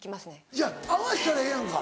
いや合わしたらええやんか。